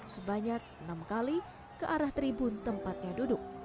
sebanyak enam kali ke arah tribun tempatnya duduk